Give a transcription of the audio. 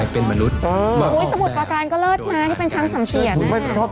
ที่เป็นชั้นสำเสียแน่